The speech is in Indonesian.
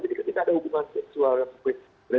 jadi kita tidak ada hubungan seksual yang sebut